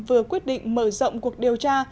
vừa quyết định mở rộng cuộc điều tra